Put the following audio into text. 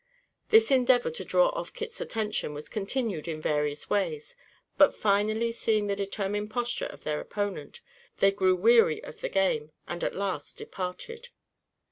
This endeavor to draw off Kit's attention was continued in various ways, but, finally seeing the determined posture of their opponent, they grew weary of the game, and, at last, departed.